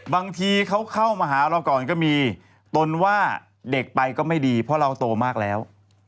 บางทีเขาเข้ามาหาเราก่อนก็มีตนว่าเด็กไปก็ไม่ดีเพราะเราโตมากแล้ว